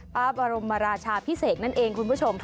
พระบรมราชาพิเศษนั่นเองคุณผู้ชมค่ะ